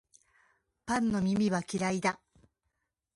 パンの耳は嫌いだ